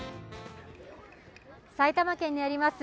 埼玉県にあります